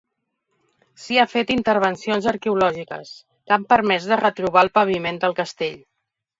S'hi ha fet intervencions arqueològiques, que han permès de retrobar el paviment del castell.